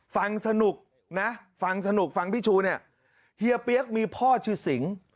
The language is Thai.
ฟังสนุกนะฟังสนุกฟังพี่ชูเนี่ยเฮียเปี๊ยกมีพ่อชื่อสิง